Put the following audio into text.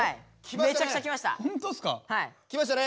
めちゃくちゃ来ました。